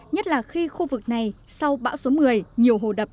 nhất là khi khu vực này sau bão số một mươi nhiều hồ đập đã đầy nước